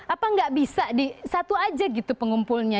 apa nggak bisa di satu aja gitu pengumpulnya